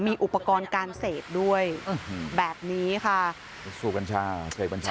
มีอุปกรณ์การเสพด้วยแบบนี้ค่ะสูบกัญชาเสพกัญชา